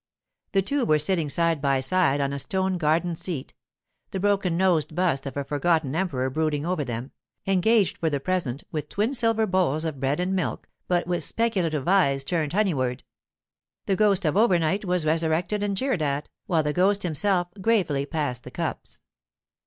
The two were sitting side by side on a stone garden seat (the broken nosed bust of a forgotten emperor brooding over them), engaged for the present with twin silver bowls of bread and milk, but with speculative eyes turned honeyward. The ghost of overnight was resurrected and jeered at, while the ghost himself gravely passed the cups.